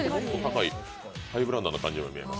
ハイブランドな感じに見えます。